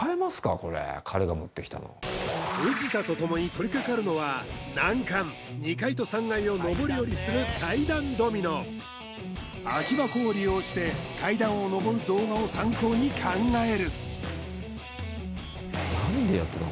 これ彼が持ってきたの藤田とともにとりかかるのは難関２階と３階を上り下りする階段ドミノ空き箱を利用して階段を上る動画を参考に考える何でやってんだ